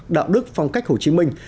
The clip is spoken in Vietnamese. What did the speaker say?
đạo đức phong cách hồ chí minh